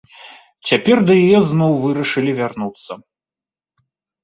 Цяпер да яе зноў вырашылі вярнуцца.